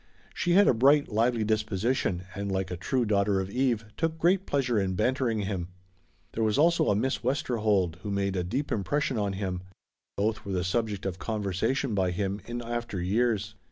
She had a bright, lively disposition, and like a true daughter of Eve, took great pleasure in bantering him. There was also a Miss Westerhold who made a deep impression on him. Both were the subject of conversation by him in after years.